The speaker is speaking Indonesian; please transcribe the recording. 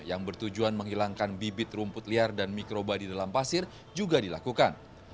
yang bertujuan menghilangkan bibit rumput liar dan mikroba di dalam pasir juga dilakukan